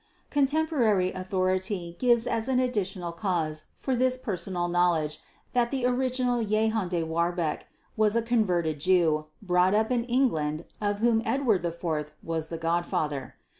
Contemporary authority gives as an additional cause for this personal knowledge, that the original Jehan de Warbecque was a converted Jew, brought up in England, of whom Edward IV was the godfather.